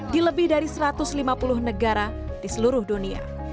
di lebih dari satu ratus lima puluh negara di seluruh dunia